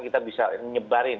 kita bisa menyebarin